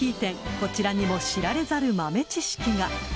［こちらにも知られざる豆知識が］